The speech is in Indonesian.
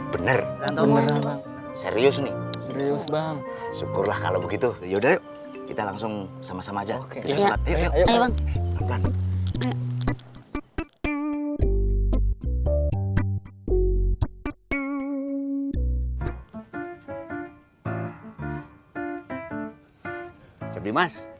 bener bener serius nih syukurlah kalau begitu yaudah kita langsung sama sama aja